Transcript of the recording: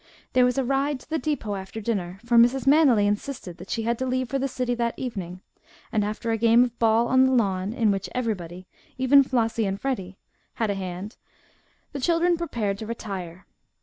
There was a ride to the depot after dinner, for Mrs. Manily insisted that she had to leave for the city that evening, and after a game of ball on the lawn, in which everybody, even Flossie and Freddie, had a hand, the children prepared to retire.